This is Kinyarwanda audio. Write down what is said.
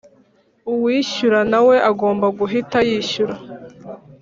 uwishyura nawe agomba guhita yishyura